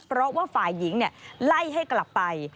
เพราะว่าฝ่ายหญิงไล่ให้กลับไป